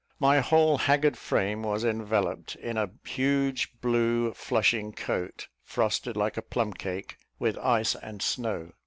My whole haggard frame was enveloped in a huge blue flushing coat, frosted, like a plum cake, with ice and snow.